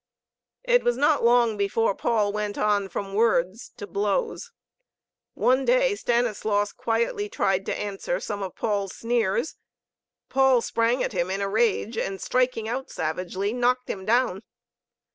It was not long before Paul went on from words to blows. One day Stanislaus quietly tried to answer some of Paul's sneers. Paul sprang at him in a rage and, striking out savagely, knocked him down.